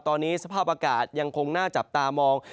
ตอนนี้สภาพอากาศยังคงน่าจับตามอง